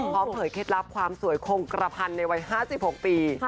เผยเคล็ดลับความสวยคงกระพันในวัย๕๖ปี